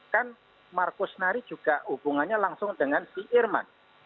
kan markus nari juga hubungannya langsung dengan si irman